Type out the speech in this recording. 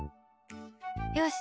よし！